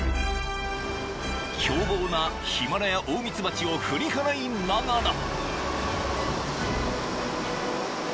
［凶暴なヒマラヤオオミツバチを振り払いながら］